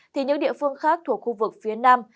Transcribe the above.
thì những địa phương khác thuộc khu vực phía nam